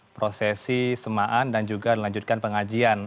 prosesi semaan dan juga dilanjutkan pengajian